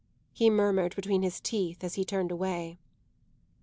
he murmured between his teeth as he turned away.